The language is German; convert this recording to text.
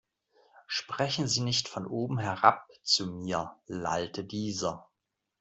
Sprechen Sie nicht von oben herab zu mir, lallte dieser.